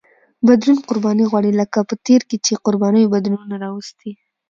بدلون قرباني غواړي لکه په تېر کې چې قربانیو بدلونونه راوستي.